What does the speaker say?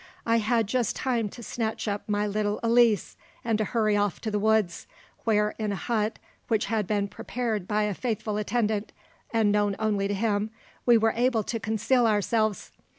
I had just time to snatch up my little Elise, and to hurry off to the woods, where, in a hut which had been prepared by a faithful attendant, and known only to him, we were able to conceal ourselves.